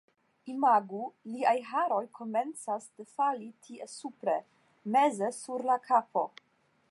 Imagu, liaj haroj komencas defali tie supre, meze sur la kapo.